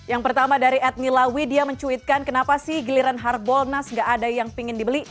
yang pertama dari adnila widya mencuitkan kenapa sih giliran hard bolnas enggak ada yang pingin dibeli